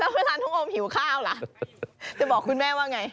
เวลาน้องโอมหิวข้าวล่ะจะบอกคุณแม่ว่าไง